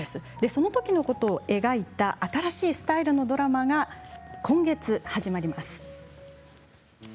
そのときのことを描いた新しいスタイルのドラマが今月始まります。